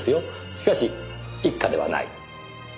しかし一課ではない。